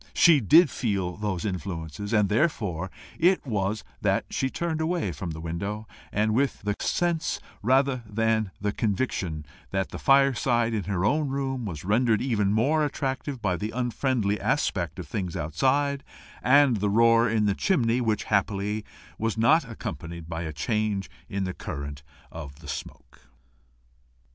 She did feel those influences, and therefore it was that she turned away from the window with the sense, rather than the conviction, that the fireside in her own room was rendered even, more attractive by the unfriendly aspect of things outside and the roar in the chimney, which happily was not accompanied by a change in the current of the smoke.